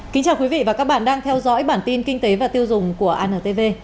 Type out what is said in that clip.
kính chào quý vị và các bạn đang theo dõi bản tin kinh tế và tiêu dùng của antv